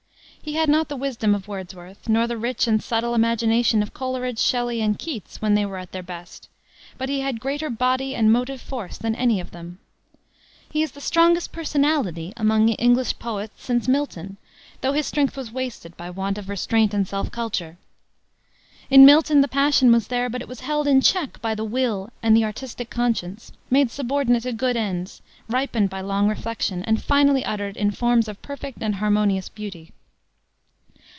He had not the wisdom of Wordsworth, nor the rich and subtle imagination of Coleridge, Shelley, and Keats when they were at their best. But he had greater body and motive force than any of them. He is the strongest personality among English poets since Milton, though his strength was wasted by want of restraint and self culture. In Milton the passion was there, but it was held in check by the will and the artistic conscience, made subordinate to good ends, ripened by long reflection, and finally uttered in forms of perfect and harmonious beauty.